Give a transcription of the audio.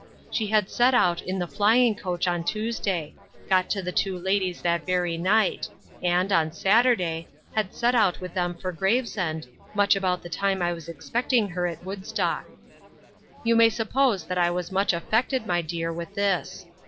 She had set out in the flying coach on Tuesday; got to the two ladies that very night; and, on Saturday, had set out with them for Gravesend, much about the time I was expecting her at Woodstock. You may suppose that I was much affected, my dear, with this.